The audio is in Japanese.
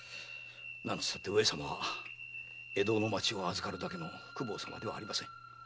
なんてったって上様は江戸の町を預かるだけの公方様ではありません。